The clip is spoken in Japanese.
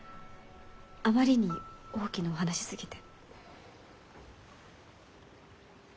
あまりに大きなお話すぎて。